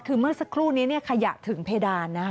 คือเมื่อสักครู่นี้ขยะถึงเพดาน